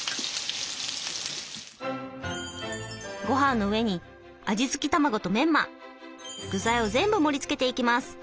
ご飯の上に味つき卵とメンマ具材を全部盛りつけていきます。